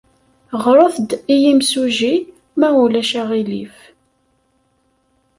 Ɣret-d i yemsujji, ma ulac aɣilif.